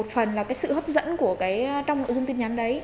một phần là vì tò mò một phần là sự hấp dẫn trong nội dung tin nhắn đấy